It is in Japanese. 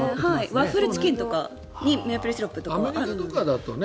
ワッフルチキンとかにメープルシロップとかあるので。